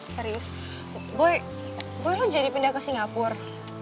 serius boy boy lo jadi pindah ke singapur